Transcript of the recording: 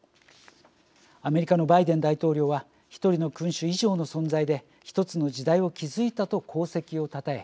アメリカのバイデン大統領は「１人の君主以上の存在で１つの時代を築いた」と功績をたたえ